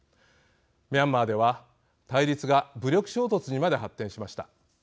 ミャンマーでは対立が武力衝突にまで発展しました。